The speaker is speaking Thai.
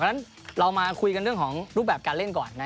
เพราะฉะนั้นเรามาคุยกันเรื่องของรูปแบบการเล่นก่อน